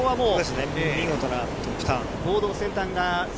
見事なトップターン。